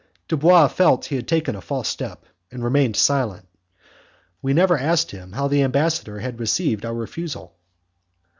Dubois felt that he had taken a false step, and remained silent. We never asked him how the ambassador had received our refusal.